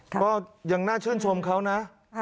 ก็ยังน่าชื่นชมเขานะ